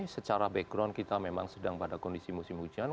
secara background kita memang sedang pada kondisi musim hujan